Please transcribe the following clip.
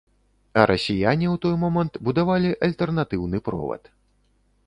А расіяне ў той момант будавалі альтэрнатыўны провад.